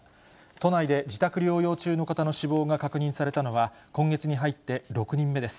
都内で自宅療養中の方の死亡が確認されたのは、今月に入って６人目です。